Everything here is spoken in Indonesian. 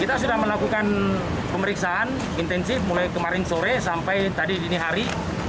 kita sudah melakukan pemeriksaan intensif mulai kemarin sore sampai tadi dini hari